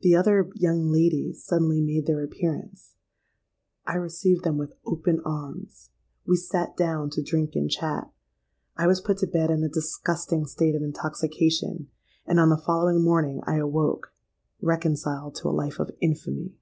The other young ladies suddenly made their appearance: I received them with open arms;—we sate down to drink and chat;—I was put to bed in a disgusting state of intoxication; and on the following morning I awoke—reconciled to a life of infamy!